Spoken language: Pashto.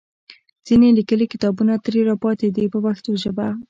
ځینې لیکلي کتابونه ترې راپاتې دي په پښتو ژبه.